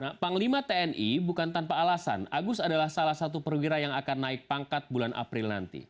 nah panglima tni bukan tanpa alasan agus adalah salah satu perwira yang akan naik pangkat bulan april nanti